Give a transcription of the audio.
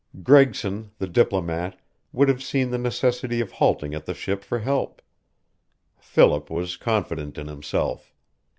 Gregson, the diplomat, would have seen the necessity of halting at the ship for help; Philip was confident in himself.